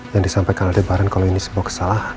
yang disampaikan aldebaran kalau ini sebuah kesalahan